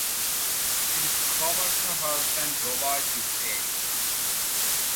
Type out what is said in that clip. She discovers her husband Robert is dead.